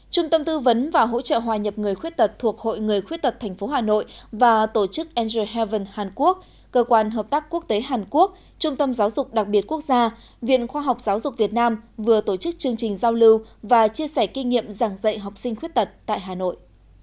trung tâm tư vấn và hỗ trợ hòa nhập người khuyết tật thuộc hội người khuyết tật tp hà nội và tổ chức angel heaven hàn quốc cơ quan hợp tác quốc tế hàn quốc trung tâm giáo dục đặc biệt quốc gia viện khoa học giáo dục việt nam vừa tổ chức chương trình giao lưu và chia sẻ kinh nghiệm giảng dạy học sinh khuyết tật tại hà nội